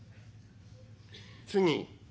「次。